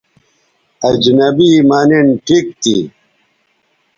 اجنبی مہ نِن ٹھیک تھی